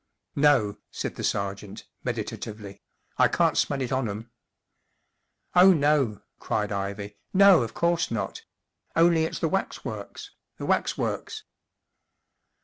44 No," said the sergeant, meditatively, 44 I can’t smell it on 'em." 44 Oh, no," cried Ivy, 44 no, of course not, only it’s the waxworks—the waxworks."